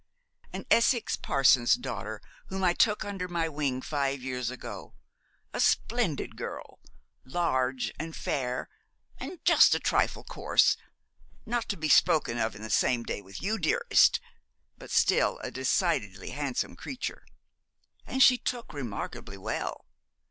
'An Essex parson's daughter whom I took under my wing five years ago a splendid girl, large and fair, and just a trifle coarse not to be spoken of in the same day with you, dearest; but still a decidedly handsome creature. And she took remarkably well.